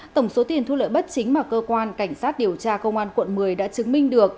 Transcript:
tổng số tiền thu lợi bất chính mà cơ quan cảnh sát điều tra công an quận một mươi đã chứng minh được